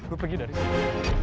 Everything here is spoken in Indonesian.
lu pergi dari sini